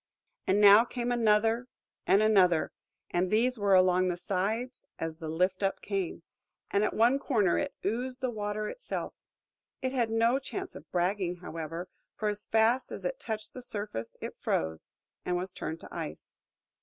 And now came another, and another, and these were along the sides, as the lift up came; and at one corner in oozed the water itself. It had no chance of bragging, however: for as fast as it touched the surface it froze, and was turned to ice.